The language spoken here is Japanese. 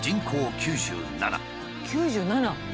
９７！